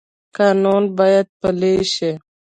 قانون باید پلی شي